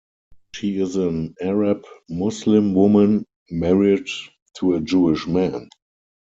She is an Arab Muslim woman married to a Jewish man.